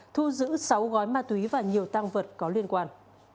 thu giữ sáu gói ma túy và nhiều tăng vật có liên quan